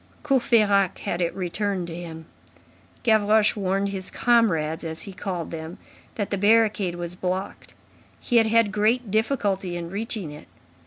Courfeyrac had it returned to him. Gavroche warned "his comrades" as he called them, that the barricade was blocked. He had had great difficulty in reaching it.